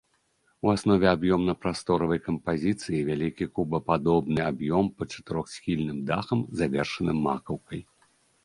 У аснове аб'ёмна-прасторавай кампазіцыі вялікі кубападобны аб'ём пад чатырохсхільным дахам, завершаным макаўкай.